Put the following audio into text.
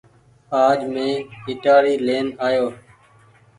آج مين ائيٽآڙي لين آيو ۔